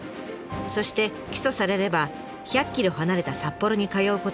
そして起訴されれば１００ｋｍ離れた札幌に通うことに。